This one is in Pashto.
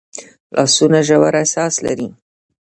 لاسونه ژور احساس لري